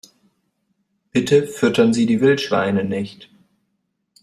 Bitte füttern Sie die Wildschweine nicht!